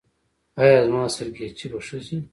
ایا زما سرگیچي به ښه شي؟